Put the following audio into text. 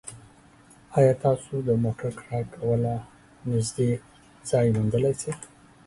ایا تاسو د موټر کرایه کولو نږدې ځای موندلی شئ؟